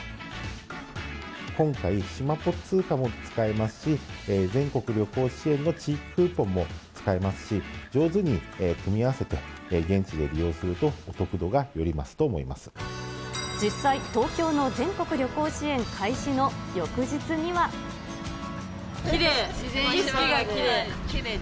今回、しまぽ通貨も使えますし、全国旅行支援の地域クーポンも使えますし、上手に組み合わせて現地で利用すると、実際、東京の全国旅行支援開きれい、景色がきれい。